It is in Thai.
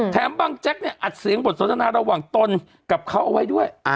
บางแจ๊กเนี่ยอัดเสียงบทสนทนาระหว่างตนกับเขาเอาไว้ด้วย